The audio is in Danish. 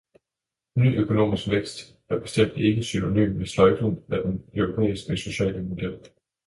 Ny økonomisk vækst er bestemt ikke synonym med sløjfning af den europæiske sociale model.